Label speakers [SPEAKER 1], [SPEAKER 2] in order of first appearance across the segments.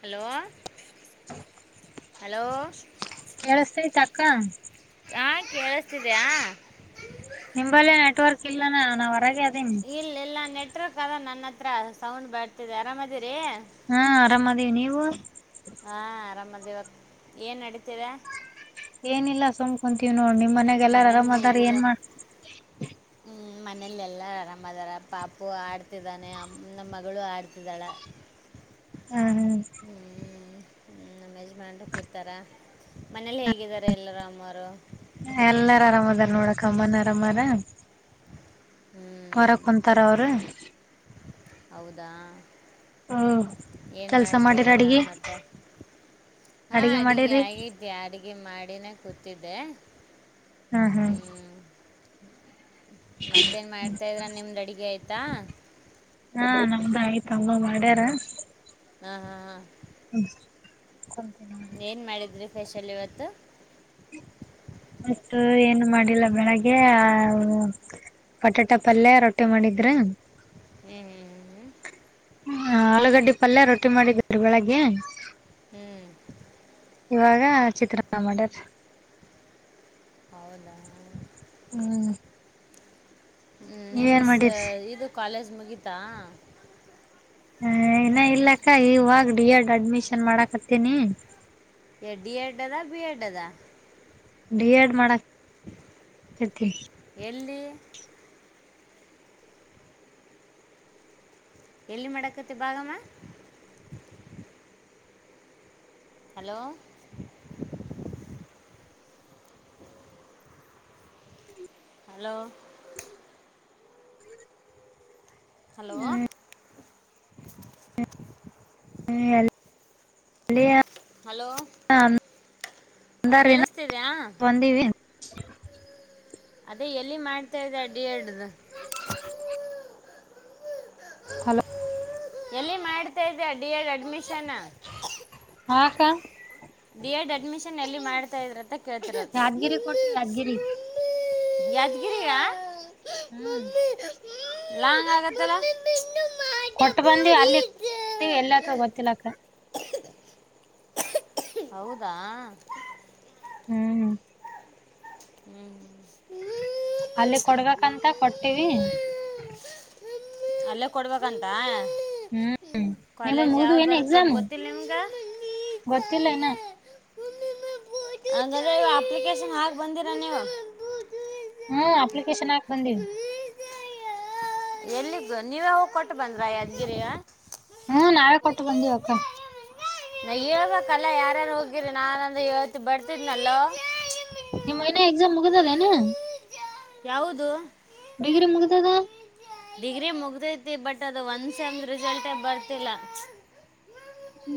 [SPEAKER 1] Hello hello..
[SPEAKER 2] ಕೇಳಸ್ತೈತ್ಯ ಅಕ್ಕ..
[SPEAKER 1] ನಾ ಕೇಳಸ್ತಿದಿಯ ಹಾ.
[SPEAKER 2] ನಿಂಬಲ್ಲಿ ನೆಟ್ವರ್ಕ ಇಲ್ಲನ ನಾ ಹೊರಗೆ. ಅದೀನಿ
[SPEAKER 1] ಇಲ್ಲ ಇಲ್ಲ ನೆಟ್ವರ್ಕ್ ಅದ ನನ್ನ ಹತ್ರ ಸೌಂಡ್ ಬರ್ತಿದೆ-ಆರಾಮ ಅದೀರಿ
[SPEAKER 2] ಹಾ ಆರಾಮದೀವ್ ನೀವು
[SPEAKER 1] ಹಾ ಆರಾಮದಿವ್ ವತ್ತ್ ಏನ್ ನಡೀತಿದೆ
[SPEAKER 2] ಏನಿಲ್ಲ ಸುಮ್ ಕುಂತೀವ್ ನೋಡ್ ನಿಮ್ ಮನ್ಯಾಗ ಎಲ್ಲಾರ ಆರಾಮ ಅದರ್ ಏನ್ ಮಾಡ್
[SPEAKER 1] [inaudible] ಹ್ಮ ಮನೇಲ್ಲ್ ಎಲ್ಲ ಆರಾಮದಾರ ಪಾಪು ಆಡ್ತಿದ್ದಾನೆ ಅಂ ನಮ್ಮ ಮಗಳು ಆಡ್ತಿದ್ದಾಳ
[SPEAKER 2] ಹ ಹ
[SPEAKER 1] ಹ್ಮ್ ನಮ್ಮ್ ಯಜಮಾನ್ರು ಕೂತಾರ ಮನೇಲಿ ಹೇಗಿದ್ದಾರೆ ಎಲ್ಲರು ಅಮ್ಮರು
[SPEAKER 2] ಎಲ್ಲಾರ್ ಅರಾಮ್ ಅದಾರ್ ನೋಡಕ್ ಅಮ್ಮನರ್ [unintelligible]
[SPEAKER 1] ಹ್ಞೂ
[SPEAKER 2] ಹೊರಕ್ಕುಂತರ್ ಅವ್ರ್
[SPEAKER 1] ಹೌದಾ
[SPEAKER 2] ಹ್ಮ್
[SPEAKER 1] ಏನ್
[SPEAKER 2] ಕೆಲ್ಸ
[SPEAKER 1] ಮಾಡ್ತಾ
[SPEAKER 2] ಮಾಡಿರ
[SPEAKER 1] ಇದೀರಾ
[SPEAKER 2] ಅಡ್ಗಿ
[SPEAKER 1] ಮತ್ತೆ ಹಾ
[SPEAKER 2] ಅಡ್ಗಿ
[SPEAKER 1] ಅಡಿಗೆ
[SPEAKER 2] ಮಾಡಿರಿ
[SPEAKER 1] ಆಗಿ [unintelligible] ಡಿಗೆ ಮಾಡಿನೇ ಕೂತಿದ್ದೆ.
[SPEAKER 2] ಹಾ ಹಾ
[SPEAKER 1] ಮತ್ತೇನ್ ಮಾಡ್ತಾ ಇದ್ರ ನಿಮ್ದ್ ಅಡಿಗೆ ಆಯ್ತಾ.
[SPEAKER 2] ಹಾ ನಮ್ದ ಆಯ್ತ ಅಮ್ಮ ಮಾಡ್ಯಾರ
[SPEAKER 1] ಹಾ ಹಾ ಹಾ
[SPEAKER 2] ಕುಂತೀವಿ ನೋಡಿ
[SPEAKER 1] ಏನ್ ಮಾಡಿದ್ರಿ ಸ್ಪೆಷಲ್ ಇವತ್ತು.
[SPEAKER 2] ಅಷ್ಟು ಏನು ಮಾಡಿಲ್ಲ ಬೆಳಗ್ಗೆ ಆ ಬಟಾಟ ಪಲ್ಯ ರೊಟ್ಟಿ ಮಾಡಿದ್ರ.
[SPEAKER 1] ಏನ್ ಹ್ಮ್ ಹ್ಮ್
[SPEAKER 2] ಹ ಆಲೂಗಡ್ಡೆ ಪಲ್ಯ ರೊಟ್ಟಿ ಮಾಡಿ [unintelligible] ಬೆಳಗ್ಗೆ.
[SPEAKER 1] ಹ್ಮ್
[SPEAKER 2] ಇವಾಗ ಚಿತ್ರನ್ನ ಮಾಡ್ಯ್ರರ್
[SPEAKER 1] ಹೌದಾ
[SPEAKER 2] ಹ್ಮ್
[SPEAKER 1] ಹ್ಮ್ ನಿನ್ನ
[SPEAKER 2] ನೀವೇನ್
[SPEAKER 1] ಸ
[SPEAKER 2] ಮಾಡಿರಿ
[SPEAKER 1] ಇದು ಕಾಲೇಜ್ ಮುಗಿತಾ.
[SPEAKER 2] ಹಾ ಇನ್ನ ಇಲ್ಲಕ್ಕಾ [unintelligible] ಇವಾಗ ಡಿ ಎಡ್ ಅಡ್ಮಿಷನ್ ಮಾಡಕ್ ಹತ್ತೀನಿ.
[SPEAKER 1] ಎ ಡಿ ಎಡ್ ಅಲ್ಲ ಬಿ ಎಡ್ ಅದ.
[SPEAKER 2] ಬಿ ಡಿ ಎಡ್ ಮಾಡಕ್ಕ್ [unintelligible]
[SPEAKER 1] ಎಲ್ಲಿ. ಎಲ್ಲಿ ಮಾಡಕತ್ತಿ ಭಾಗಮ್ಮ. ಹಲೋ ಹಲೋ ಹಲೋ
[SPEAKER 2] ಹ್ಮ್ [unintelligible] ಅಲಿಯಾ
[SPEAKER 1] ಹಲೋ ಕೇಳಿಸ್ತಿದ್ಯಾ
[SPEAKER 2] [inaudible]
[SPEAKER 1] ಅದೇ ಎಲ್ಲಿ ಮಾಡ್ತಾ ಇದೆ ಅ ಡಿ ಎಡ್ಡ್ದ್
[SPEAKER 2] [inaudible] ಹಲೋ
[SPEAKER 1] ಎಲ್ಲಿ ಮಾಡ್ತಾ ಇದ್ಯಾ ಅ ಡಿ ಎಡ್ ಅಡ್ಮಿಷನ್
[SPEAKER 2] ಹಾ ಅಕ್ಕ
[SPEAKER 1] ಡಿ ಎಡ್ ಅಡ್ಮಿಷನ್ ಎಲ್ಲಿ ಮಾಡ್ತಾ ಇದ್ರಂತ ಕೇಳ್ತಿರದ್
[SPEAKER 2] ಯಾದಗಿರಿ ಕೊಟ್ಟ ಯಾದಗಿರಿ
[SPEAKER 1] [unintelligible] [unintelligible]
[SPEAKER 2] ಹ್ಮ್
[SPEAKER 1] ಲಾಂಗ್ ಆಗತ್ತಲ್ಲ
[SPEAKER 2] ಕೊಟ್ಟ್ ಬಂದಿ ಅಲ್ಲಿ ಎಲ್ಲಕ್ಕ ಗೊತ್ತಿಲ್ಲಲಕ್ಕ
[SPEAKER 1] ಹೌದಾ
[SPEAKER 2] ಹ್ಮ್ ಮ್ಮ್
[SPEAKER 1] ಹೂ
[SPEAKER 2] ಅಲ್ಲಿ ಕೊಡ್ಬೇಕಂತ ಕೊಟ್ಟೀವಿ
[SPEAKER 1] ಅಲ್ಲೇ ಕೊಡ್ಬೇಕಂತ
[SPEAKER 2] ಹ್ಮ್ ನಿಮ್
[SPEAKER 1] ಕಾಲೇಜ್
[SPEAKER 2] ಮುಗ್ದ್
[SPEAKER 1] ಯಾವ್ದ್
[SPEAKER 2] ಏನ್
[SPEAKER 1] ಬರತ್ತ
[SPEAKER 2] ಎಕ್ಸಾಮ್
[SPEAKER 1] ಗೊತ್ತಿಲ್ಲ ನಿಂಗ
[SPEAKER 2] ಗೊತ್ತಿಲ್ಲ ಇನ
[SPEAKER 1] ಅಂದ್ರೆ ಅಪ್ಲಿಕೇಶನ್ ಹಾಕ್ ಬಂದಿರಾ ನೀವು
[SPEAKER 2] ಹೂ ಅಪ್ಲಿಕೇಶನ್ ಹಾಕ್ ಬಂದ್ವಿ
[SPEAKER 1] ಎಲ್ಲಿಗ ನೀವೇ ಹೋಗಿ ಕೊಟ್ಟು ಬಂದ್ರಾ ಯದ್ಗಿರಿ
[SPEAKER 2] ಹೂ ನಾವೇ ಕೊಟ್ಟು ಬಂದಿವಕ್ಕ
[SPEAKER 1] ನಾ ಹೇಳ್ಬೇಕಲ್ಲ ಯಾರ್ಯಾರು ಹೋಗಿರಿ ನಾನಂದ ಹೇಳ್ತಿ ಬರ್ತಿದನಲ್ಲೋ
[SPEAKER 2] ಇನ್ನ ನಿಮ್ ಎಕ್ಸಾಮ್ ಮುಗ್ದಿಲ್ಲ ಏನು
[SPEAKER 1] ಯಾವುದು
[SPEAKER 2] ಡಿಗ್ರಿ ಮುಗ್ದದ
[SPEAKER 1] ಡಿಗ್ರಿ ಮುಗತೈತಿ ಬಟ್ ಅದು ಒಂದ್ ಸೆತ್ ರಿಸಲ್ಟ ಬರ್ತಿಲ್ಲ
[SPEAKER 2] ಹೂ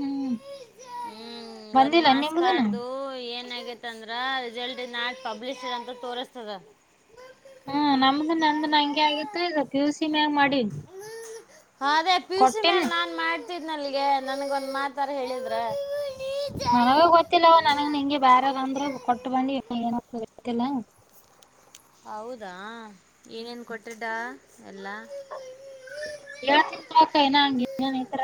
[SPEAKER 1] ಹೂ ಒಂದ್ ಮಾರ್ಕ್ಸ್ ಕಾರ್ಡ್ ದು ಏನ್ ಅಗೆತಿ ಅಂದ್ರ ರಿಸಲ್ಟ್ ನಾಳೆ ಪಬ್ಲಿಶರ್ ಅಂತ ತೋರಿಸ್ತದ
[SPEAKER 2] ಹೂ ನಮ್ದ ನಂದ ಹಂಗೆ ಆಗಿತ್ತು ಈಗ ಪ್ಯುಸಿ ಮ್ಯಾಗ ಮಾಡಿ
[SPEAKER 1] ಹೂ ಅದೇ ಪಿುಸ ಮೇಲೆ ನಾನ್ ಮಾಡ್ತಿದ್ನ ಅಲ್ಲಿಗೆ ನನ್ಗ ಒಂದ್ ಮಾತಾರ ಹೇಳಿದ್ರ
[SPEAKER 2] ನನಗ ಗೊತ್ತಿಲ್ಲ ನನಗ ನಿಂಗೆ ಬಾರಾರ ಅಂದ್ರ ಕೊಟ್ಟ ಬಿ ಏನ ಗೊತ್ತಿಲ್ಲ
[SPEAKER 1] ಹೌದಾ ಏನೇನು ಕೊಟ್ಟಡಾ ಎಲ್ಲ
[SPEAKER 2] ಕೇಳ್ತೀನಿ ತಗೋ ಏನಾದ್ರು ಇದ್ರ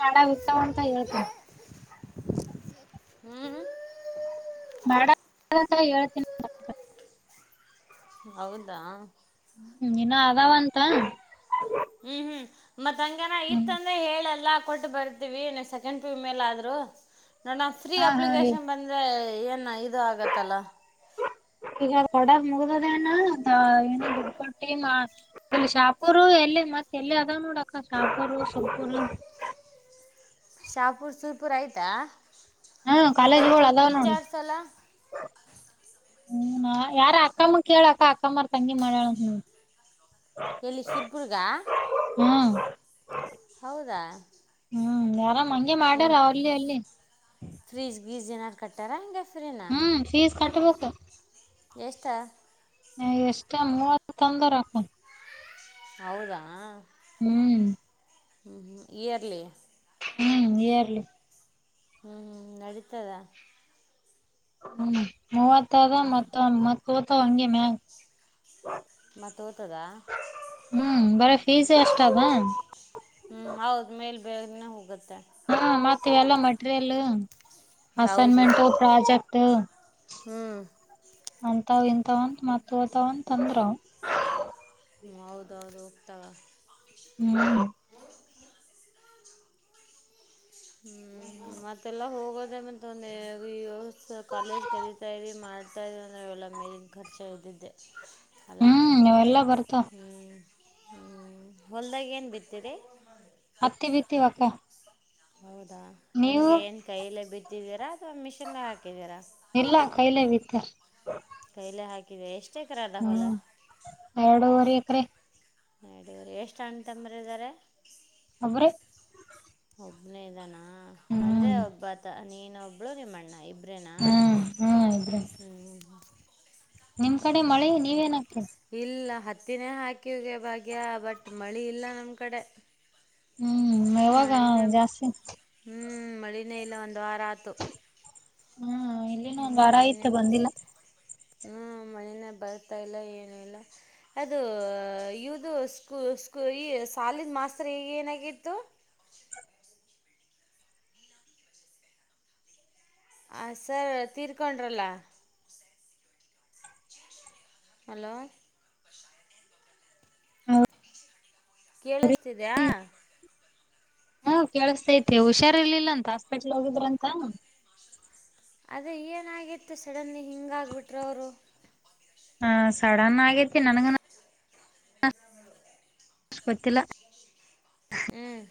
[SPEAKER 2] ಕಡ ಇರ್ತಂತ ಇವತ್ತು
[SPEAKER 1] ಹೂ
[SPEAKER 2] ಬಾ ಹೇಳ್ತನಿ
[SPEAKER 1] ಹೌದಾ
[SPEAKER 2] ಹೂ ಇನ್ನು ಅದವಂತ
[SPEAKER 1] ಹೂ ಹೂ ಮತ್ಂಗನ
[SPEAKER 2] ಹ್ಮ್
[SPEAKER 1] ಇತ್ತಂದ್ರೆ ಹೇಳಲ್ಲ ಕೊಟ್ಟು ಬರ್ ಸೆಕಂಡ್ ಪಿಯು ಮೇಲಿನಾದ್ರೂ ನೋ ಫ್ರೀ
[SPEAKER 2] ಹಾ ಹಾ ಇ-
[SPEAKER 1] ಅಪ್ಲಿಕನ್ ಬಂದ ಇದ್ರೆ ಏನ್ ಇದು ಆಗತ್ತಲ್ಲ
[SPEAKER 2] ಈಗ ಕೊಡ ಮುಗ್ದದೇನ ಏ ದುಡ್ ಕೊಟ್ಟಿ. ಅಲ್ಲಿ ಶಾಪೂರು ಎಲ್ಲ ಮತ್ ಎಲ್ಲಿ ಅದಾಗ ನೋಡಕ್ಕ ಶಾಪೂರು ಸೊಪೂರು.
[SPEAKER 1] ಶಾಪೂರ್ ಸುಪುರ್ ಆಯ್ತಾ
[SPEAKER 2] ಹ್ಮ್
[SPEAKER 1] ಮತ್ತ ಅಲ್ಲಿ ಸ್ವಲ್ಪ ವಿಚಾರಸಲ್ಲ.
[SPEAKER 2] ಹೂ ಯಾರ ಅಕ್ಕಮ್ಮ ಕೇಳಕ್ಕ ಅಕ್ಕಮ್ಮರ ತಂಗಿ ಮಾಡಳ ಹ
[SPEAKER 1] ಹೇಳಿ ಸುರ್ಬುರ್ಗಾ
[SPEAKER 2] ಹ್ಮ್
[SPEAKER 1] ಹೌದಾ
[SPEAKER 2] ಹೂ ಮೋರಂ ಹಂಗಗೆ ಮಾಡ್ಯಾರ
[SPEAKER 1] ಏನು
[SPEAKER 2] ಅವಲ್ಲಿ ಅಲ್ಲಿ
[SPEAKER 1] ಫ್ರೀಜ್ ಗೀಜ ಏನಾರು ಕಟ್ಟಾರ ಹಗೆ ಫ್ರೀನಾ
[SPEAKER 2] ಹ್ಮ್ ಫೀಸ್ ಕಟ್ಟಬೇಕು
[SPEAKER 1] ಎಷ್ಟಾ
[SPEAKER 2] ಎಷ್ಟ ಮೂವ ತಂದ್ರ ಹಾಕ
[SPEAKER 1] ಹೌದಾ
[SPEAKER 2] ಹೂ
[SPEAKER 1] ಹೂ ಇಯರ್ಲಿ
[SPEAKER 2] ಹೂ ಇಯರ್ಲ್ಲಿ
[SPEAKER 1] ಹೂ ಹೂ ನೆಡಿತದ
[SPEAKER 2] ಹ್ಮ್ ಮೂವತ್ತರ ಮತ್ತ ಮತ್ ಕೂತ ಹಂಗೆ ಮ್ಯಾಗ
[SPEAKER 1] ಮತ್ತು ಓದ್ತದಾ
[SPEAKER 2] ಹ್ಮ್ ಬರ ಪೀಜ ಆಷ್ಟ ವಾ
[SPEAKER 1] ಹ್ಮ್ ಹೌದ್ ಮೇಲೆ ಬೇನೆ ಹೋಗುತ್ತೆ
[SPEAKER 2] ಹ್ಮ ಮತ್ತವೆಲ್ಲ ಮೆಟೀರಿಯಲ್ ಅಸೈನ್ಮೆಂಟ್ ಪ್ರಾಜೆಕ್ಟ್
[SPEAKER 1] ಹ್ಂ
[SPEAKER 2] ಅಂತ ಇಂತವಂತ ಮತ್ ತಾವಂತ ಅಂದ್ರ.
[SPEAKER 1] ಹೌದೌದು ಹೋಗ್ತವೆ.
[SPEAKER 2] ಹ್ಮ.
[SPEAKER 1] ಹ್ಮ್ ಮತ್ತೆಲ್ಲ ಹೋಗೋದೇ ಮತ್ ಒಂದೆ ಕಾಲೇಜ್. ಕಲಿತಾವಿ ಮಾಡ್ತಾ ಅಂದ ಎಲ್ಲ ಮೇಲಿನ ಖರ್ಚ ಇ್ದದ್ದೆ. ಅಲ
[SPEAKER 2] ಹ್ಮ್ ಅವೆಲ್ಲಾ ಬರ್ತಾವ
[SPEAKER 1] ಹ್ಞೂ ಹ್ಞ ಹೊಲ್ದಾಗ ಏನು ಬಿತರಿ.
[SPEAKER 2] ಹತ್ತಿ ಬಿತ್ತವಕ.
[SPEAKER 1] ಹೌದಾ ಹೆಂಗೆ ಏನ್ ಕೈಯಲ್ಲ ಬಿದ್ದಿದ್ದೀರಾ ಅಥವಾ ಮಿಷಿನ್ಗ ಹಾಕಿದ್ದೀರಾ
[SPEAKER 2] ಎಲ್ಲ ಕೈಲೆ ಬಿತ್ತ.
[SPEAKER 1] ಕೈಲೆ ಹಾಕಿವೆ ಎಷ್ಟೇ ಕರದ ಹೊಲ.
[SPEAKER 2] ಹ್ಮ್ ಎರಡೂವರೆ ಎಕರೆೆ
[SPEAKER 1] ನಡವರಿ ಎಷ್ಟ್ ಹಣ್ಣ್ ತಂಬ್ರ ಇದಾರೆ.
[SPEAKER 2] ಒಬ್ಬ್ರ.
[SPEAKER 1] ಒಬ್ನೇ ಇದಾನ ಅಂದ್ರೆ
[SPEAKER 2] ಹ್ಮ್
[SPEAKER 1] ಒಬ್ಬತ ನೀನ ಒಬ್ಳು ನಿಮ್ಮಣ್ಣ ಇಬ್. ಅರನಾ
[SPEAKER 2] ಹ್ಮ್ ಹ್ಮ್ ಇಬ್ರೇ
[SPEAKER 1] ಹ್ಮ.
[SPEAKER 2] ನಮ್ಮ್ ಕಡೆ ಮಳೆ ನೀವೇಏನಾಗ್ತರಿ.
[SPEAKER 1] ಇಲ್ಲ ಹತ್ತಿನೇ ಹಾಕಿವಗೆ ಭಾಗ್ಯಾ ಬಟ್ ಮಳಿ ಇಲ್ಲ ನಮ್ ಕಡೆ.
[SPEAKER 2] ಹ್ಮ್ ಯಾವಾಗ
[SPEAKER 1] ಮಳಿನೇ
[SPEAKER 2] ಜಾಸ್ತಿ
[SPEAKER 1] ಹ್ಮ್ ಮಳಿನೇ ಇಲ್ಲ ಒಂದ್ ವಾರ ಆತ
[SPEAKER 2] ಹಾ ಇಲ್ಲಿನ ಒಂದು ವಾರಯತೆ ಬಂದಿಲ್ಲ
[SPEAKER 1] ಹ ಮನನೇ ಬರ್ತಾ ಇಲ್ಲ ಏನ ಇಲ್ಲ ಅದು ಇದು ಸ್ಕೂ ಸ್ಕೂ ಈ ಸಾಲಿನ ಮಾಸ್ತರ್ ಹಗ ಏನಾಗಿತ್ತು ಹ ಸರ್ ತೀರ್ಕೊಂಡ್ರಲ್ಲ ಹಲೋ ಕೇಳಿಸ್ತಿದಯಾ
[SPEAKER 2] ಹ್ಮ ಕೇಳಸ್ತೈತಿ ಹುಷಾರ್ ಇರ್ಲಿಲ್ಲಾ ಅಂತ ಹಾಸ್ಪೆಟ್ಲ್ ಹೋಗಿದ್ರಂತ
[SPEAKER 1] ಅದೇ ಏನಾಗಿತ್ತು ಸಡನ್ಲಿ ಹಿಂಗಾಗಿಬಿಟ್್ರ ಅವರು
[SPEAKER 2] ಹ ಸಡನ್ ಆಗೇತಿ ನನ್
[SPEAKER 1] ಹ್ಮ
[SPEAKER 2] ಗೊತ್ತಿಲ್ಲ
[SPEAKER 1] ಹ್ಮ್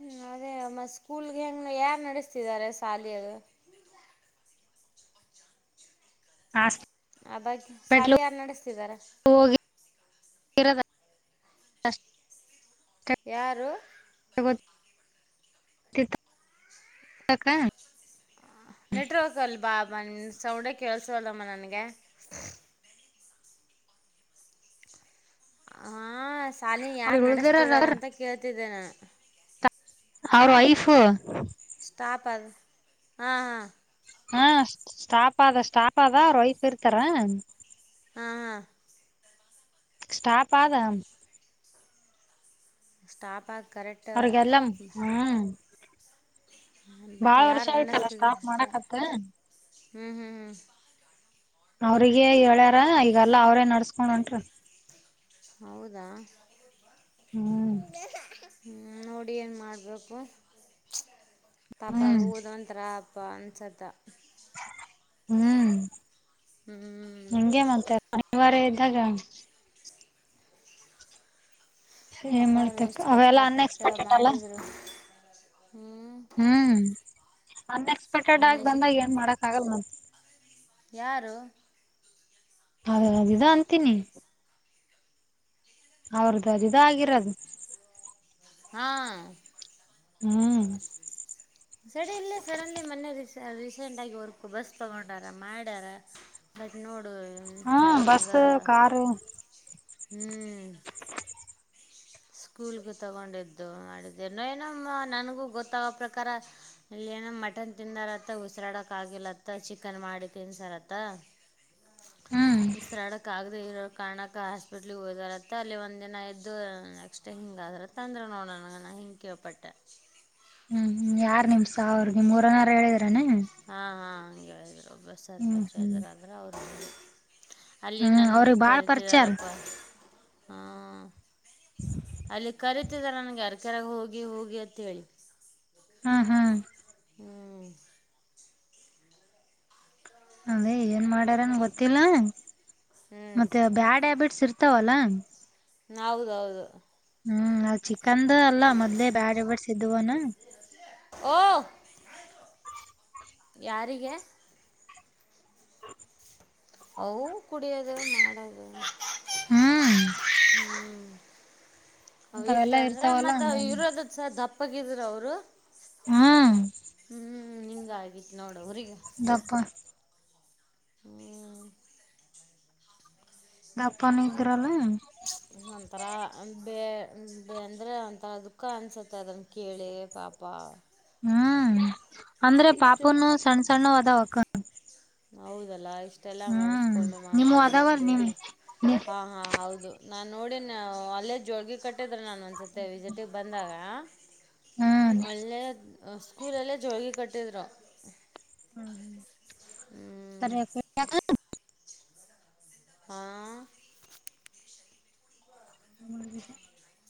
[SPEAKER 1] ಹ್ಮ್ ಅದೇ ಮ ಸ್ಕೂಲ್ಗೆ ಹೆಂಗ್ ಯಾರ ನಡೆಸ್ತಿದ್ದಾರೆ ಸಾಲಿಯದು
[SPEAKER 2] ಹಾಸ್
[SPEAKER 1] ಆ ಬಗ್ಗೆ ಶಾಲಿ ಯಾರು ನಡೆಸ್ತಿದಾರ
[SPEAKER 2] [unintelligible]
[SPEAKER 1] ಯಾರು
[SPEAKER 2] ಗತ್ತುಕ [unintelligible]
[SPEAKER 1] ನೆಟ್ವರ್ಕ್ ಅಲ್ ಬಾ ಬ ಸೌಂಡ ಕೇಳಸವಲ್ಲಮ್ಮ ನನಗೆ ಹ ಶಾಲಿ
[SPEAKER 2] ಅವ್ರು
[SPEAKER 1] ಯಾರ್
[SPEAKER 2] ಉಳ್ದಿರಾರ
[SPEAKER 1] ನಡೆಸ್ತಿದಾರ
[SPEAKER 2] ಅವ್ರ
[SPEAKER 1] ಅಂತ ಕೇಳ್ತಿದ್ದೇನೆ
[SPEAKER 2] ಅವ್ರ ವೈಫ್
[SPEAKER 1] ಸ್ಟಾಪ್ ಅ ಹಾ ಹಾ
[SPEAKER 2] ಹಾ ಸ್ಟಾಪ್ ಅ ಆದ ಸ್ಟಾಪ್ ಅದ ರೊಯಫ್ ಇರ್ತಾರ.
[SPEAKER 1] ಹಾ ಹಾ.
[SPEAKER 2] ಸ್ಟಾಪಾದಾ.
[SPEAKER 1] ಸ್ಟಾಪಾ ಕರೆಕ್ಟ್.
[SPEAKER 2] ಹೊರಗೆ ಎಲ್ಲಂ ಹ್ಮ್.
[SPEAKER 1] ಹ
[SPEAKER 2] ಬಾಳ
[SPEAKER 1] ಬಟ್ಟೆ ಯಾರ
[SPEAKER 2] ವರ್ಷ ಆಯ್ತಲ್ಲ
[SPEAKER 1] ನಡೆಸ್ತಿದೆ
[SPEAKER 2] ಸ್ಟಾಪ್
[SPEAKER 1] ಅಂತ
[SPEAKER 2] ಮಾಡಕತ್ತ
[SPEAKER 1] ಹ್ಮ್ ಹ್ಮ್ ಹ್ಮ್.
[SPEAKER 2] ಅವ್ರಿಗೆ ಹೇಳ್ಯಾರ ಈಗಲ್ಲ ಅವ್ರೇ ನಡ್ಸ್ಕೊಂಡ ಹೊಂಟ್ರ.
[SPEAKER 1] ಹೌದಾ.
[SPEAKER 2] ಹ್ಮ್.
[SPEAKER 1] ಹ್ಮ್ಮ್ ನೋಡಿ ಏನು ಮಾಡಬೇಕು ಪಾಪ
[SPEAKER 2] ಹ್ಮ್
[SPEAKER 1] ಅವ್ರಿಗು ಒಂಥರ. ಪಾಂಸದ.
[SPEAKER 2] ಹ್ಮ್
[SPEAKER 1] ಹ್ಞೂ
[SPEAKER 2] ಹಿಂಗೆ ಮತ್ತೆ ಅನಿವಾರ್ಯ ಇದ್ದಾಗ.
[SPEAKER 1] [inaudible]
[SPEAKER 2] ಏನ್
[SPEAKER 1] ಪಾಪ ಅವ್ರು
[SPEAKER 2] ಮಾಡ್ತಕ್
[SPEAKER 1] ಎಷ್ಟು
[SPEAKER 2] ಅವೆಲ್ಲಾ
[SPEAKER 1] ಕಷ್ಟಪಟ್ಟು
[SPEAKER 2] ಅನ್ಎಕ್ಸ್ಪೆಕ್ಟೆಡ್ ಅಲ್ಲ
[SPEAKER 1] ಮಾಡಿದರು ಹ್ಞ.
[SPEAKER 2] ಹ್ಮ್ ಅನ್ಎಕ್ಸ್ಪೆಕ್ಟೆಡ್ ಆಗಿ
[SPEAKER 1] ಅನ್ಮ್ಯೂಸಿಕ್
[SPEAKER 2] ಬಂದಾಗ ಏನ್ ಮಾಡಕ್ ಆಗಲ್ಲ ಮತ್ತ.
[SPEAKER 1] ಯಾರು.
[SPEAKER 2] ಹೌ ಇದ ಅಂತೀನಿ. ಅವ್ರದ ಬರಿ ಇದು ಆಗಿರೋದು.
[SPEAKER 1] ಹಾಂ.
[SPEAKER 2] ಹ್ಮ್.
[SPEAKER 1] ಸಡಿ ಇಲ್ಲ ಸಡನ್ಲಿ ಮೊನ್ನೆ ರೀಸೆಂಟ್ ಆಗಿ ವರ್ಕ್ ಬಸ್ ತಗೊಂಡಾರ ಮಾಡ್ಯಾರ. ಬಟ್ ನೋಡು.
[SPEAKER 2] ಹಾ
[SPEAKER 1] ಎಂಥ
[SPEAKER 2] ಬಸ್ ಕಾರ.
[SPEAKER 1] ಹ್ಮ್.
[SPEAKER 2] [inaudible]
[SPEAKER 1] ಸ್ಕೂಲ್ಗೆ ತಗೊಂಡಿದ್ದು ಮಾಡಿದ್ದೆ ಏನ್ ಏನಮ್ಮ ನನಗೂ ಗೊತ್ತಾಗೋ ಪ್ರಕಾರ. ಏನ ಮಟನ್ ತಿಂದಾರತ್ತ ಉಸಿರಾಡಕ್ ಆಗಿಲ್ಲ ಅಂತ ಚಿಕನ್ ಮಾಡಿ ತಿನ್ಸ್ಯಾರ್ ಅಂತ.
[SPEAKER 2] ಹ್ಮ್
[SPEAKER 1] [inaudible] ಉಸಿರಾಡಕ್ಕ ಆಗದೆ ಇರೋ ಕಾರಣಕ್ಕ ಹಾಸ್ಪಿಟ್ಲ್ಗೆ ಓದಾರ ಅಂತ ಅಲ್ಲಿ ಒಂದಿನ್ದ. ಇದು ನೆಕ್ಸ್ಟ್ ಹಿಂಗ ಆದ್ರ ತಂದ್ರ ಏನೋ ನೋಡೋಣ ಹಿಂಗ ಕೇಳ್ಪಟ್ಟೆ.
[SPEAKER 2] ಹ್ಮ್ ಯಾರ್ ನಿಮ್ ಸಾವರ್ಗ ನಿಮ್ಮ ಊರನ್ನವರ ಹೇಳಿದಾರಎನ್.
[SPEAKER 1] ಹಾಂ ಹಾಂ ಹಗೆ ಹೇಳರು ಒಬ್ಬ
[SPEAKER 2] ಹ್ಮ್
[SPEAKER 1] ಸರ್ಪಂಚ್
[SPEAKER 2] ಹ್ಮ್
[SPEAKER 1] ಇದ್ದರು ಆದ್ರೆ ಅವರು. ಅಲ್ಲಿ
[SPEAKER 2] ಹ್ಮ್
[SPEAKER 1] ನನ್ಗೆ
[SPEAKER 2] ಅವ್ರಿಗೆ ಬಾಳ್ ಪರಿಚಯ ಅಲ್
[SPEAKER 1] ಕರಿತಿದಾರಪ್ಪ. ಹಾಂ ಅಲ್ಲಿ ಕರೀತಿದ್ದರ ನನಗೆ ಯಾರ ಕರೆಗೆ ಹೋಗಿ ಹೋಗಿ ಅಂತೇಳಿ.
[SPEAKER 2] ಹಾ ಹಾ.
[SPEAKER 1] ಹ್ಮ್.
[SPEAKER 2] ಅದೇ ಏನ್ ಮಾಡ್ಯಾರನ್ ಗೊತ್ತಿಲ್ಲ
[SPEAKER 1] ಹ್ಞೂ
[SPEAKER 2] ಮತ್ತೆ ಬ್ಯಾಡ್ ಹ್ಯಾಬಿಟ್ಸ್ ಇರ್ತಾವಲ್ಲ.
[SPEAKER 1] ಹೌದೌದು.
[SPEAKER 2] ಹ್ಮ್ ಚಿಕಂದು ಅಲ್ಲ ಮೊದ್ಲೇ ಬ್ಯಾಡ ಹ್ಯಾಬಿಟ್ಸ್ ಇದ್ದುವನ.
[SPEAKER 1] ಓ ಯಾರಿಗೆ. ಅವು ಕುಡಿಯೋದು ಮಾಡದು.
[SPEAKER 2] ಹ್ಮ್
[SPEAKER 1] [unintelligible] [inaudible] ಅವು ಇತ್
[SPEAKER 2] ಅಂತವೆಲ್ಲಾ
[SPEAKER 1] ಅಂದ್ರೆ
[SPEAKER 2] ಇರ್ತಾವಲ್ಲ
[SPEAKER 1] ಮತ್ತ
[SPEAKER 2] ಹಂಗ
[SPEAKER 1] ಇರೋದ. ಸ ದಪ್ಪಗಿದ್ರ ಅವರು
[SPEAKER 2] ಹ್ಮ್
[SPEAKER 1] ಹ್ಮ್. ಹ್ಞ ಹಿಂಗ ಆಗಿತ್ತು ನೋಡ ಅವ್ರರಿಗೆ.
[SPEAKER 2] ದಪ್ಪ
[SPEAKER 1] ಹ್ಮ
[SPEAKER 2] ದಪ್ಪನ್ ನಿಂತರಲನ್.
[SPEAKER 1] ಒಂಥರ ಬ ಅಂದ್ರೆ ಒಂಥರ ಅದಕ್ಕ ಅನ್ಸತ್ತೆ ಅದನ್ನು ಕೇಳಿ ಪಾಪ. ಬಾ
[SPEAKER 2] ಹ್ಮ್ ಅಂದ್ರೆ
[SPEAKER 1] ಇಷ್ಟು
[SPEAKER 2] ಪಾಪನು ಸಣ್ಣ ಸಣ್ಣ ಅದಾವಕ್.
[SPEAKER 1] ಹೌದಲ್ಲ ಇಷ್ಟೆಲ್ಲ
[SPEAKER 2] ಹ್ಮ್
[SPEAKER 1] ಮಾಡಸ್ಕೊಂಡು
[SPEAKER 2] ನಿಮವು
[SPEAKER 1] ಮಾಡ್ಕೊಂಡು
[SPEAKER 2] ಅದಾವಲ್
[SPEAKER 1] ಹೋಗ್ತದೆ
[SPEAKER 2] ನಿಮ್
[SPEAKER 1] ಹಾ ಹಾ ಹೌದು. ನಾನು ನೋಡಿ ನ ಅಲ್ಲೇ ಜೋಳಗೆ ಕಟ್ಟಿದ್ರ ನಾನು ಒಂದ್ಸತಿ ವಿಸಿಟಿಗೆ ಬಂದಾಗ
[SPEAKER 2] ಹ್ಮ್
[SPEAKER 1] ಅಲ್ಲೇ ಸ್ಕೂಲ್ಲ್ಲೇ ಜೋಳಗಿ ಕಟ್ಟಿದ್ರು.
[SPEAKER 2] ಹ್ಮ
[SPEAKER 1] ಹ್ಞೂ
[SPEAKER 2] ತಾರ ಎ [unintelligible]
[SPEAKER 1] ಹಾ ಹಾ ಹಾ
[SPEAKER 2] ಹ್ಮ್